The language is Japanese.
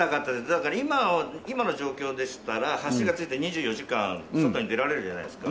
だから今今の状況でしたら橋がついて２４時間外に出られるじゃないですか。